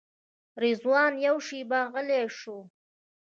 رضوان یوه شېبه غلی شو.